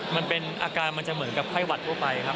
มันเป็นอาการมันจะเหมือนกับไข้หวัดทั่วไปครับ